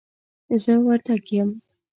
زه وردګ یم